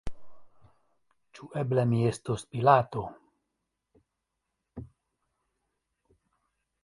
Ĉu eble mi estos Pilato?